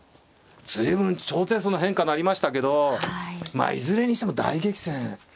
随分長手数な変化なりましたけどまあいずれにしても大激戦。